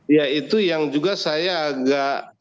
ya itu yang juga saya agak